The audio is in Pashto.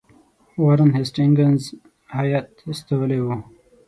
وارن هیسټینګز هیات استولی وو.